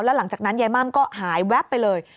แล้วหลังจากนั้นยายม่ำก็หายแว๊บไปเลย